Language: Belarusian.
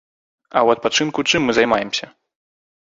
А ў адпачынку чым мы займаемся?